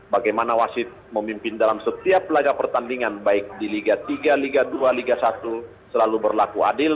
bagaimana wasit memimpin dalam setiap laga pertandingan baik di liga tiga liga dua liga satu selalu berlaku adil